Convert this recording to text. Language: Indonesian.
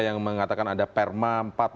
yang mengatakan ada perma empat dua ribu enam belas